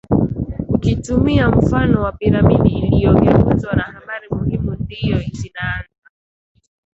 Ukitumia mfano wa piramidi iliogeuzwa na habari muhimu ndizo zinaanza